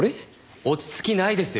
落ち着きないですよ。